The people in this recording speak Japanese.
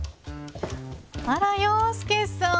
あら洋輔さん。